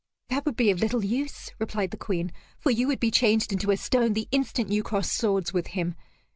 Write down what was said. "That would be of little use," replied the Queen, "for you would be changed into a stone the instant you crossed swords with him.